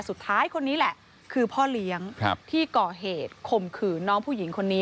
คนนี้แหละคือพ่อเลี้ยงที่ก่อเหตุข่มขืนน้องผู้หญิงคนนี้